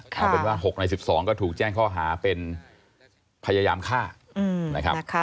เอาเป็นว่า๖ใน๑๒ก็ถูกแจ้งข้อหาเป็นพยายามฆ่านะครับ